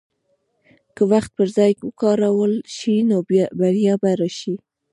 که وخت پر ځای وکارول شي، نو بریا به راشي.